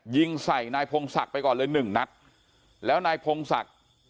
ยิงใส่นายพงศักดิ์ไปก่อนเลยหนึ่งนัดแล้วนายพงศักดิ์